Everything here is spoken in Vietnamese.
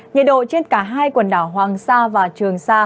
nhiệt độ trên cả hai quần đảo hoàng sa và trường sa